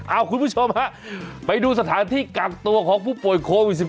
เอาคุณผู้ชมฮะไปดูสถานที่กักตัวของผู้ป่วยโควิด๑๙